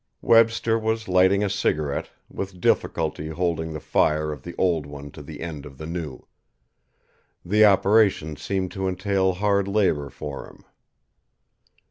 Webster was lighting a cigarette, with difficulty holding the fire of the old one to the end of the new. The operation seemed to entail hard labour for him.